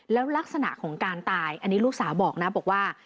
แล้วลักษณะของการตายอันนี้ลูกสาวบอกนะบอกว่า